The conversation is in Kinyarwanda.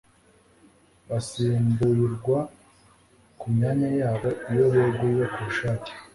basimbuirwa ku myanya yabo iyo beguye ku bushake